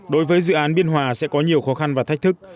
đối với dự án biên hòa sẽ có nhiều khó khăn và thách thức